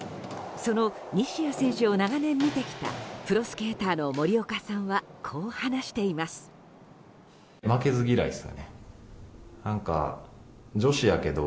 その西矢選手を長年見てきたプロスケーターの森岡さんはこう話しています。